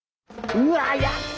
うわやっと。